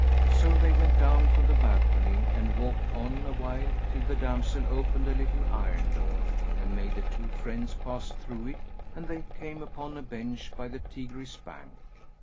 So they went down from the balcony and walked on awhile till the damsel opened a little iron door, and made the two friends pass through it, and they came upon a bench by the Tigris' bank.